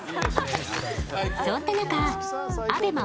そんな中ＡＢＥＭＡ